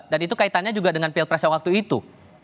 dan itu kaitannya juga dengan pil presiden waktu itu